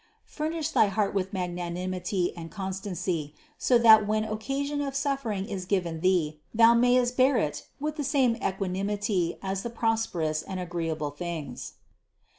Furnish thy heart with magnanimity and constancy, so that when occasion of suf 35 522 CITY OF GOD fering is given thee thou mayest bear it with the same equanimity as the prosperous and agreeable things.